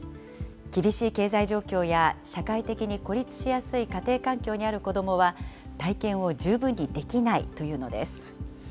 厳しい経済状況や社会的に孤立しやすい家庭環境にある子どもは、体験を十分にできないというのです。